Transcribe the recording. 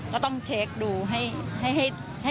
ก็ต้องเช็คดูให้ดีกว่านี้ค่ะ